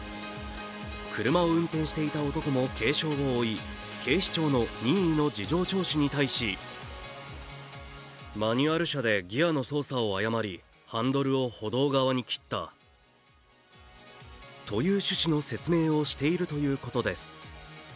車を運転していた男も軽傷を負い警視庁の任意の事情聴取に対しという趣旨の説明をしているということです。